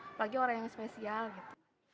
apalagi orang yang spesial gitu